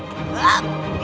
toh aku melihatnya